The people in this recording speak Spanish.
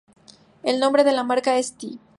El nombre de la marca 'St.